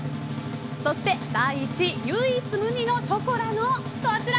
そして第１位唯一無二のショコラのこちら。